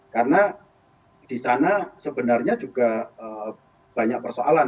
karena di sana sebenarnya juga banyak persoalan